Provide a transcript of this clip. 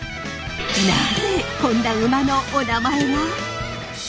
なぜこんな馬のおなまえが！？